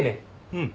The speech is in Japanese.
うん。